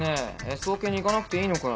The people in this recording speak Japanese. Ｓオケに行かなくていいのかよ？